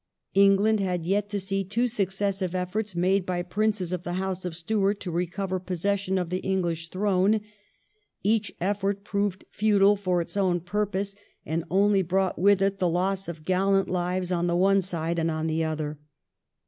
England had yet to see two successive efforts made by Princes of the House of Stuart to recover possession of the English throne. Each effort proved futile for its own purpose, and only brought with it the loss of gallant lives on the one side and on the other.